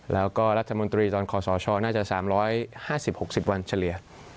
แล้วก็รัฐมนตรีตอนขอสชน่าจะ๓๕๐๖๐วันเฉลี่ย